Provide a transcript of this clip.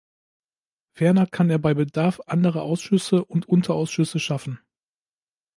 Ferner kann er bei Bedarf andere Ausschüsse und Unterausschüsse schaffen.